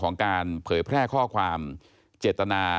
ของการเผยแพร่ข้อความเจตนา